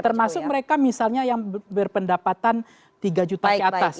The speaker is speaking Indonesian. termasuk mereka misalnya yang berpendapatan tiga juta ke atas